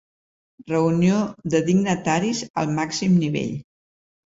Reunió de dignataris al màxim nivell.